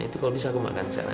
itu kalau bisa aku makan sarah